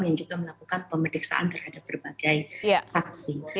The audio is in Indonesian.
yang juga melakukan pemeriksaan terhadap berbagai saksi